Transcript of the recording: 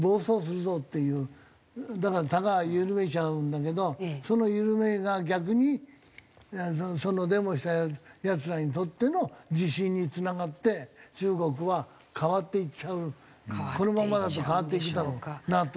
だからたがを緩めちゃうんだけどその緩めが逆にそのデモした奴らにとっての自信に繋がって中国は変わっていっちゃうこのままだと変わっていくだろうなと。